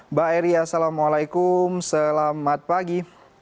mbak eri assalamualaikum selamat pagi